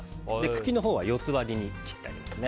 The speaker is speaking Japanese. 茎のほうは４つ割りに切ってあります。